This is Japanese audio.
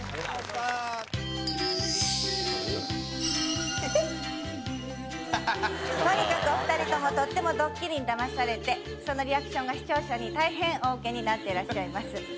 『徹子の部屋のテーマ』とにかくお二人ともとってもドッキリにだまされてそのリアクションが視聴者に大変おウケになっていらっしゃいます。